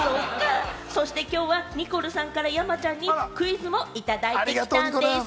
そしてきょうはニコルさんから山ちゃんにクイズもいただいたんでぃす。